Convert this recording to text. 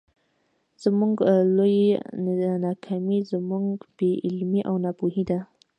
زموږ لويه ناکامي زموږ بې علمي او ناپوهي ده.